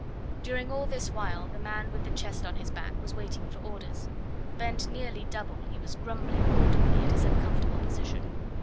During all this while the man with the chest on his back was waiting for orders. Bent nearly double, he was grumbling audibly at his uncomfortable position.